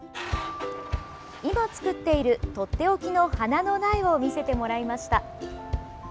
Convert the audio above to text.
今作っているとっておきの花の苗を見せてもらいました。